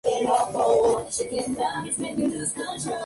Participó del filme "Límite vertical".